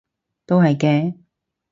都係嘅